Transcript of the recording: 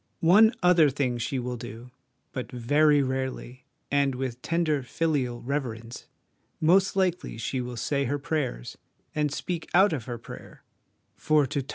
One other thing she will do, but very rarely, and with tender filial reverence (most likely she will say her prayers, and speak out of her prayer, for to touch 1 Wordsworth.